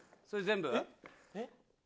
それで全部？